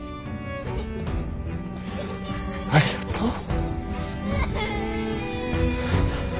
ありがとう。